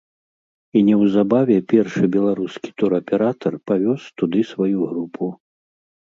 І неўзабаве першы беларускі тураператар павёз туды сваю групу.